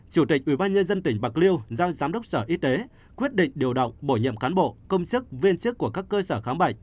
chủ tịch ubnd tỉnh bạc liêu giao giám đốc sở y tế quyết định điều động bổ nhiệm cán bộ công chức viên chức của các cơ sở khám bệnh